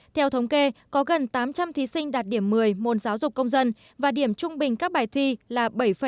theo thống kê có gần tám trăm linh thí sinh đạt điểm một mươi môn giáo dục công dân và điểm trung bình các bài thi là bảy tám